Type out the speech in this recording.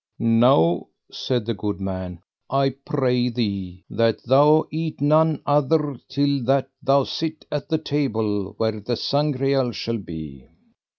Now, said the good man, I pray thee that thou eat none other till that thou sit at the table where the Sangreal shall be.